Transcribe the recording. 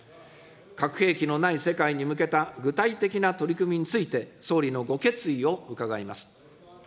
核兵器のない世界に向けた具体的な取り組みについて、総理のご決意を伺います。